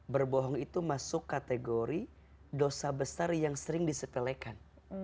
berbohong itu masuk kategori dosa besar yang sering disepelekan